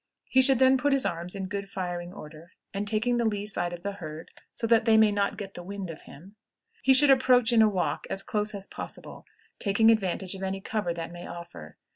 He should then put his arms in good firing order, and, taking the lee side of the herd, so that they may not get "the wind" of him, he should approach in a walk as close as possible, taking advantage of any cover that may offer.